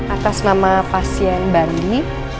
atas nama pasien bandi